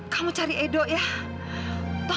kamu cari edo ya